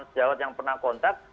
sejawat yang pernah kontak